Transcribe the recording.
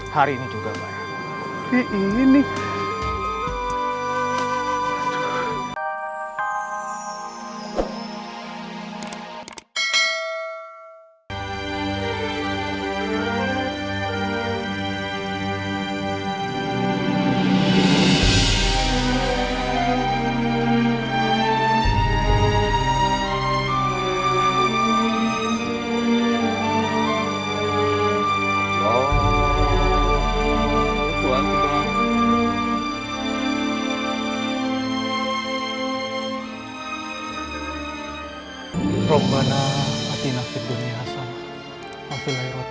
hari ini juga barakallah